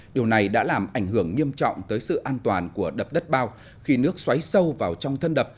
điều này đã làm ảnh hưởng nghiêm trọng tới sự an toàn của đập đất bao khi nước xoáy sâu vào trong thân đập